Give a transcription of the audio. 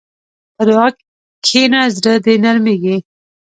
په دعا کښېنه، زړه دې نرمېږي.